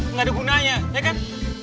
nggak ada gunanya ya kan